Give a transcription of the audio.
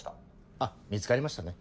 あっ見つかりましたね。